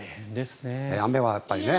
雨はやっぱりね。